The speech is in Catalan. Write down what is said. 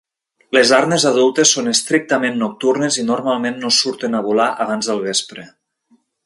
Les arnes adultes són estrictament nocturnes i normalment no surten a volar abans del vespre.